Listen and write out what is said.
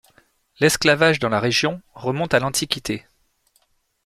L'esclavage dans la région remonte à l'antiquité.